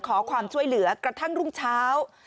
ขอความช่วยเหลือกระทั่งรุ่งเช้า